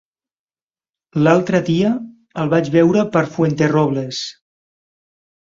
L'altre dia el vaig veure per Fuenterrobles.